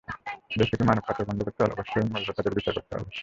দেশ থেকে মানবপাচার বন্ধ করতে হলে অবশ্যই মূল হোতাদের বিচার করতে হবে।